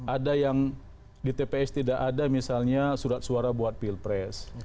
ada yang di tps tidak ada misalnya surat suara buat pilpres